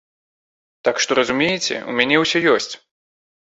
Так што разумееце, у мяне ўсё ёсць.